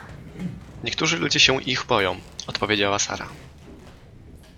— Niektórzy ludzie się ich boją — odpowiedziała Sara.